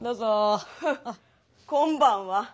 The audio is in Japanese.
フッこんばんは。